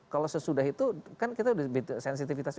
kalau sesudah itu kan kita sensitifitasnya